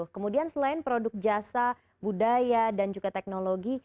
kemudian selain produk jasa budaya dan juga teknologi